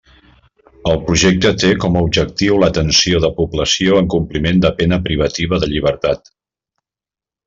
El projecte té com a objectiu l'atenció de població en compliment de pena privativa de llibertat.